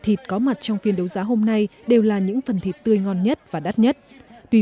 thịt có mặt trong phiên đấu giá hôm nay đều là những phần thịt tươi ngon nhất và đắt nhất tuy